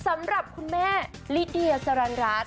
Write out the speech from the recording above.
สำหรับคุณแม่ลิเดียสรรรัส